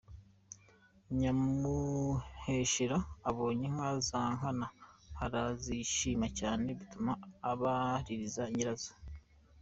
Nyamuheshera abonye inka za Nkana arazishima cyane, bituma abaririza nyirazo.